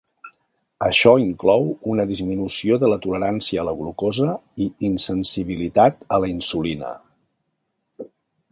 Això inclou una disminució de la tolerància a la glucosa i insensibilitat a la insulina.